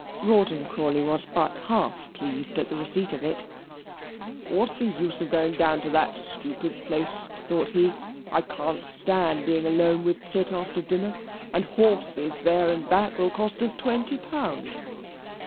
Rawdon Crawley was but half pleased at the receipt of it. "What's the use of going down to that stupid place?" thought he. "I can't stand being alone with Pitt after dinner, and horses there and back will cost us twenty pound."